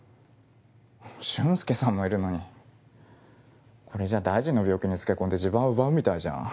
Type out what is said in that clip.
ふっ俊介さんもいるのにこれじゃ大臣の病気につけ込んで地盤奪うみたいじゃん。